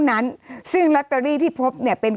ยังไม่ได้ตอบรับหรือเปล่ายังไม่ได้ตอบรับหรือเปล่า